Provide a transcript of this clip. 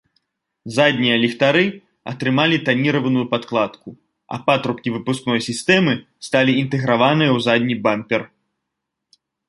Заднія ліхтары атрымалі таніраваную падкладку, а патрубкі выпускной сістэмы сталі інтэграваныя ў задні бампер.